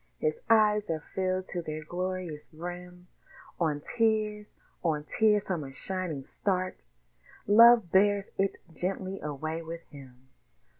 His eyes are filled to their glorious brim; On tears, on tears from a shining start Love bears it gently away with him.